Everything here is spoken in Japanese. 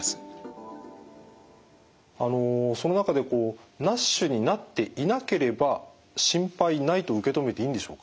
その中でＮＡＳＨになっていなければ心配ないと受け止めていいんでしょうか。